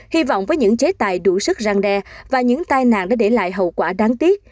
hy vọng với những chế tài đủ sức răng đe và những tai nạn đã để lại hậu quả đáng tiếc